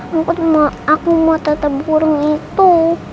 aku mau tetap burung itu